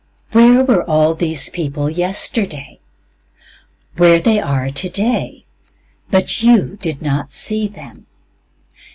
Where were all these people yesterday? Where they are today, but you did not see them.